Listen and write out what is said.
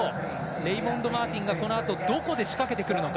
レイモンド・マーティンがこのあと、どこで仕掛けてくるか。